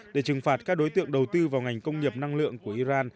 để trừng phạt các đối tượng đầu tư vào ngành công nghiệp năng lượng của iran